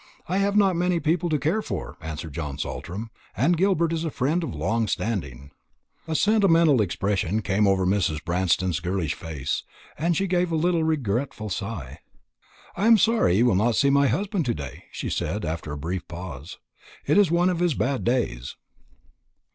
"I have not many people to care for," answered John Saltram, "and Gilbert is a friend of long standing." A sentimental expression came over Mrs. Branston's girlish face, and she gave a little regretful sigh. "I am sorry you will not see my husband to day," she said, after a brief pause. "It is one of his bad days."